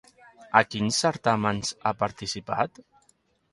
A quins certàmens ha participat?